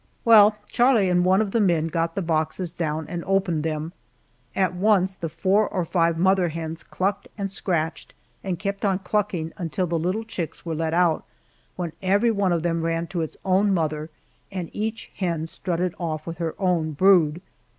Well, Charlie and one of the men got the boxes down and opened them. At once the four or five mother hens clucked and scratched and kept on clucking until the little chicks were let out, when every one of them ran to its own mother, and each hen strutted off with her own brood.